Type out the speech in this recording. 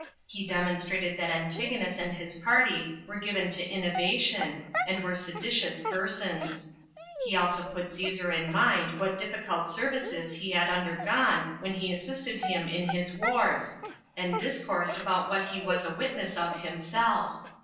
He demonstrated that Antigonus and his party were given to innovation, and were seditious persons. He also put Cæsar in mind what difficult services he had undergone when he assisted him in his wars, and discoursed about what he was a witness of himself.